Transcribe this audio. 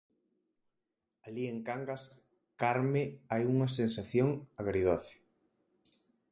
Alí en Cangas, Carme, hai unha sensación agridoce...